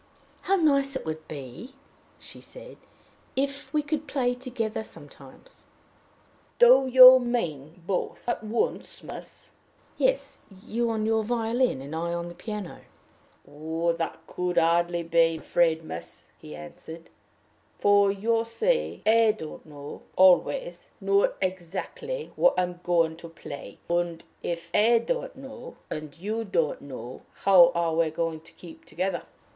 "How nice it would be," she said, "if we could play together sometimes!" "Do you mean both at once, miss?" he asked. "Yes you on your violin, and I on the piano." "That could hardly be, I'm afraid, miss," he answered; "for, you see, I don't know always not exactly what I'm going to play; and if I don't know, and you don't know, how are we to keep together?"